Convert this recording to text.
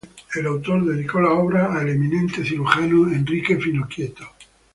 El autor dedicó la obra al eminente cirujano Enrique Finochietto.